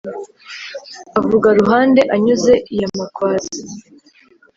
Avuga Ruhande anyuze iya Makwaza